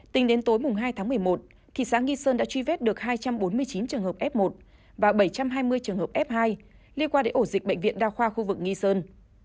tính đến tối hai tháng một mươi một thị xã nghi sơn đã truy vết được hai trăm bốn mươi chín trường hợp f một và bảy trăm hai mươi trường hợp f hai liên quan đến ổ dịch bệnh viện đa khoa khu vực nghi sơn